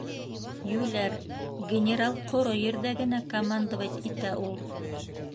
- Йүләр, генерал ҡоро ерҙә генә командовать итә ул.